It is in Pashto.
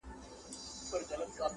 لا به تر څو د کربلا له تورو!!